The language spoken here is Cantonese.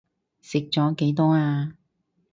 飲咗幾多呀？